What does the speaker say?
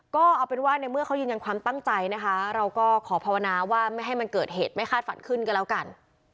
ก็เอาเป็นว่าในเมื่อเขายืนยันความตั้งใจนะคะเราก็ขอภาวนาว่าไม่ให้มันเกิดเหตุไม่คาดฝันขึ้นก็แล้วกัน